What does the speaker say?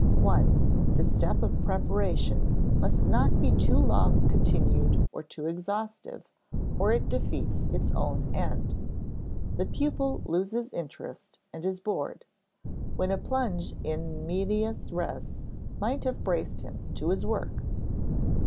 (i) The step of preparation must not be too long continued or too exhaustive, or it defeats its own end. The pupil loses interest and is bored, when a plunge in medias res might have braced him to his work.